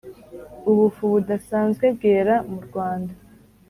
Ubufu budasanzwe bwera mu rwanda